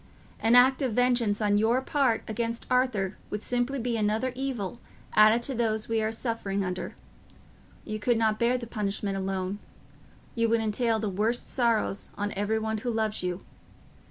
An act of vengeance on your part against Arthur would simply be another evil added to those we are suffering under: you could not bear the punishment alone; you would entail the worst sorrows on every one who loves you.